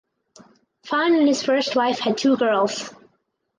Fahn and his first wife had two girls.